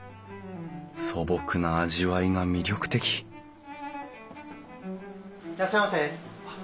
素朴な味わいが魅力的いらっしゃいませ。